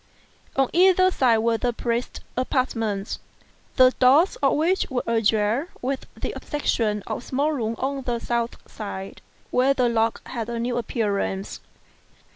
On either side were the priest's apartments, the doors of which were ajar, with the exception of a small room on the south side, where the lock had a new appearance.